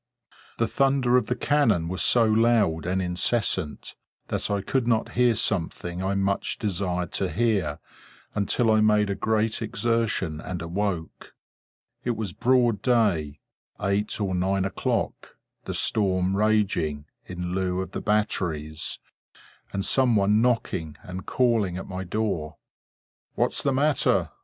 The thunder of the cannon was so loud and incessant, that I could not hear something I much desired to hear, until I made a great exertion and awoke. It was broad day—eight or nine o'clock; the storm raging, in lieu of the batteries; and some one knocking and calling at my door. "What is the matter?"